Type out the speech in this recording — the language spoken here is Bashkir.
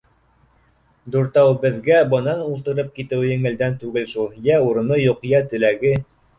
Дүртәүбеҙгә бынан ултырып китеүе еңелдән түгел шул: йә урыны юҡ, йә теләге.